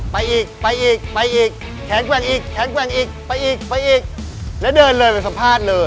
พลอยเชื่อว่าเราก็จะสามารถชนะเพื่อนที่เป็นผู้เข้าประกวดได้เหมือนกัน